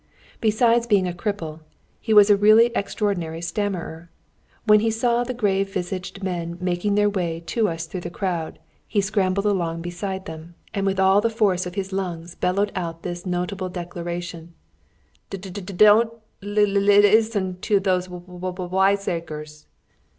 Besides being a cripple, he was a really extraordinary stammerer. When he saw the grave visaged men making their way to us through the crowd, he scrambled along beside them, and with all the force of his lungs bellowed out this notable declaration: "D d d don't li li li listen to those wi wi wi wiseacres!"